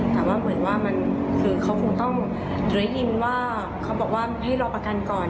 แต่ว่าเหมือนว่ามันคือเขาคงต้องได้ยินว่าเขาบอกว่าให้รอประกันก่อน